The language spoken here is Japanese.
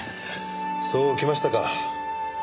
そうきましたか。